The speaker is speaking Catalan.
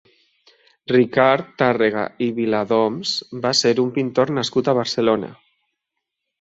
Ricard Tàrrega i Viladoms va ser un pintor nascut a Barcelona.